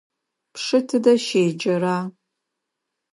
Пшы тыдэ щеджэра?